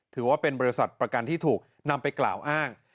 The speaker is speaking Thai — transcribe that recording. ถือว่าเป็นบริษัทประกันที่ถูกนำไปกล่าวอ้าง